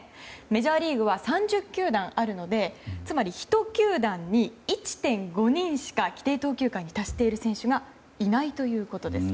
メジャーリーグは３０球団あるのでつまり１球団に１．５人しか規定投球回に達している選手がいないということです。